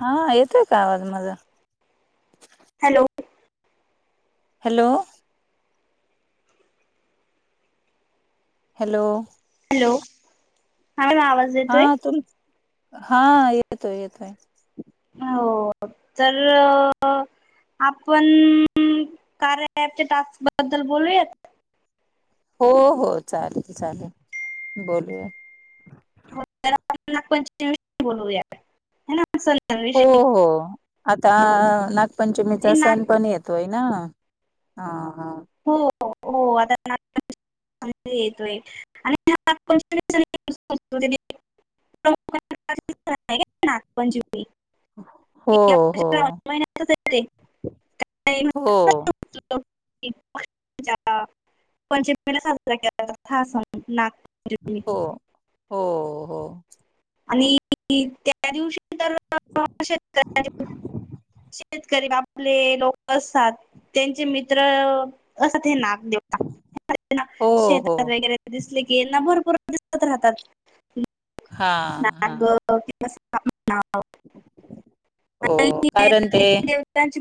हा येतोय का आवाज माझा हॅलो हॅलो हॅलो हॅलो हा मॅम आवाज हा येतोय तुम हा येतोय येतोय हो तर अ आपण अ कार्याच्या टास्क बद्दल बोलूयात हो हो चालेल चालेल बोलूया [unintelligible] हो सणांविषयी हो आता हे नागपंचमीचा सण नाग पण येतोय ना हा हा हो हो आता नागपंचिम येतोय आणि हो हो [unintelligible] [unintelligible] [unintelligible] हो पंचमीला साजरा केला जातो हा सन नाग हो. हो. हो.. आणि त्या दिवशी तर [unintelligible] शेतकरी आपले लोक असतात त्यांचे मित्र असते नाग [unintelligible] हो हो शेतात वगैरे दिसले. येना भरपूर दिसत राहतात. हा हा! नाग [unintelligible] [inaudible] हो आणि कारण ते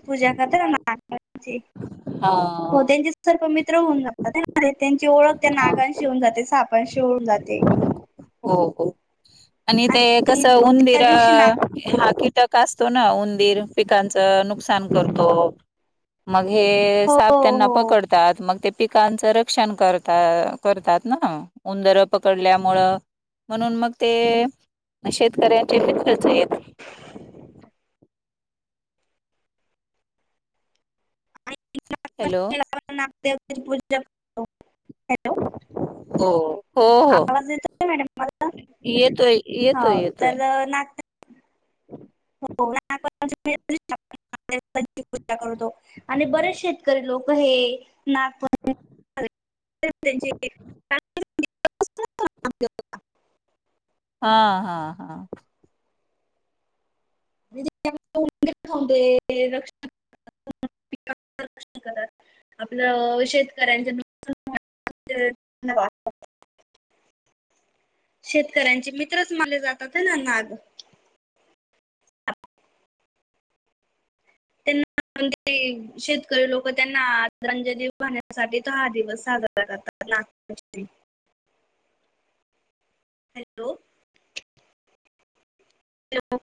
[unintelligible] हा हो त्यांचे सर्प मित्र होऊन जातात, त्यांची ओळख त्या हा नागांशी होऊन जाते साप अशी हुन जाते. हो, हो आणि ते कस त्या उंदीर, दिवशी नाग हा कीटक असतो उंदीर पिकांच नुकसान करतो मग हे हो साप त्यांना हो पकडतात मग ते पिकांचं रक्षण करता करतात ना उंदरं पकडल्यामुळं म्हणून मग ते शेतकऱ्यांचे मित्र च हेत आणि हॅलो! नागपंचमीला [unintelligible] हो, हो, हो! आवाज येतोय मॅडम माझा येतोय हो येतोय येतोय तर नाग हो [unintelligible] ची पूजा करतो आणि बरेच शेतकरी लोक हे [unintelligible] [unintelligible] हा, हा, हा! रक्ष [unintelligible] [unintelligible] धन्यवाद [unintelligible] शेतकऱ्यांचे मित्रच मानले जातात हे ना नाग न शेतकरी लोक त्यांना आदरांजली वाहण्यासाठी तो हा दिवस साजरा कर तलाठी भरती [unintelligible] हॅलो! हो [unintelligible]